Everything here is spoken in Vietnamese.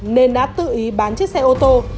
nên đã tự ý bán chiếc xe ô tô